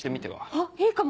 あっいいかも！